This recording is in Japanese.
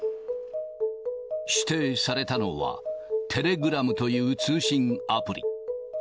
指定されたのは、テレグラムという通信アプリ。